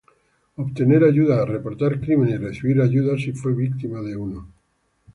obtener ayuda reportar crímenes y recibir ayuda si fue víctima de uno.